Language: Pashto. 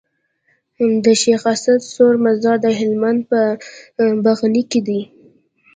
د شيخ اسعد سوري مزار د هلمند په بغنی کي دی